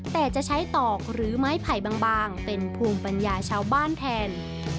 แต่จะใช้ตอกหรือไม้ไผ่บางเป็นภูมิปัญญาชาวบ้านแทน